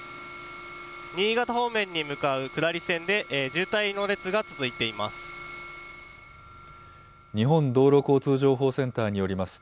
新潟方面に向かう下り線で渋滞の列が続いています。